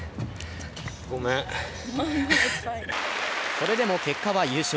それでも結果は優勝。